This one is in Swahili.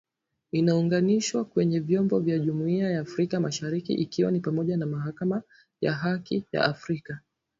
inaunganishwa kwenye vyombo vya jumuia ya Afrika mashariki ikiwa ni pamoja na Mahakama ya Haki ya Afrika